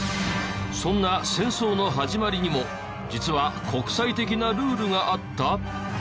そんな戦争の始まりにも実は国際的なルールがあった！？